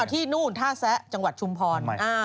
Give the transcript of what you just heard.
ที่นู่นท่าแซะจังหวัดชุมพร